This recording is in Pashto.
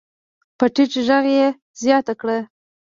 په ټيټ غږ يې زياته کړه.